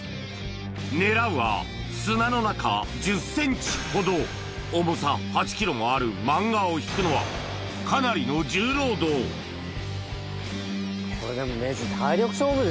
狙うは砂の中１０ｃｍほど重さ８ｋｇもあるマンガを引くのはかなりのこれでも名人体力勝負ですね。